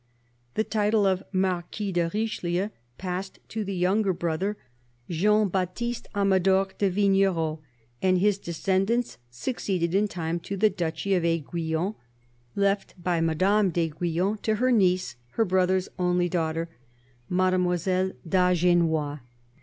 The title of Marquis de Richelieu passed to the younger brother, Jean Baptiste Amador de Vignerot, and his de scendants succeeded in time to the duchy of Aiguillon, left by Madame d'Aiguillon to her niece, her brother's only daughter. Mademoiselle d'Agenois.